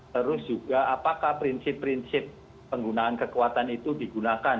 terus juga apakah prinsip prinsip penggunaan kekuatan itu digunakan